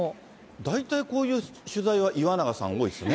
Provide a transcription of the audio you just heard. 大体こういう取材はいわながさん、多いですね。